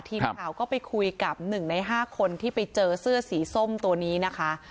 ทีมข่าวก็ไปคุยกับ๑ใน๕คนที่ไปเจอเสื้อสีส้มตัวนี้นะคะ